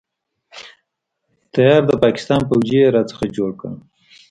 تيار د پاکستان فوجي يې را څخه جوړ کړ.